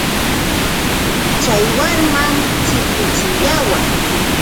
Chay wamram chikuchiyawan.